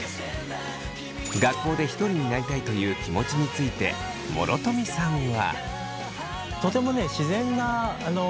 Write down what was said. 学校でひとりになりたいという気持ちについて諸富さんは。